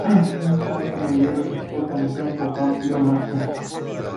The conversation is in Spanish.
No obstante, Muller resultó campeón por amplio margen.